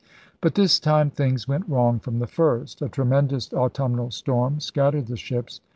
But this time things went wrong from the first. A tremendous autumnal storm scattered the ships.